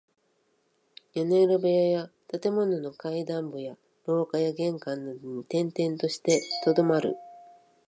屋根裏部屋や建物の階段部や廊下や玄関などに転々としてとどまる。ときどき、何カ月ものあいだ姿が見られない。きっと別な家々へ移っていったためなのだ。